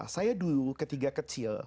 saya dulu ketika kecil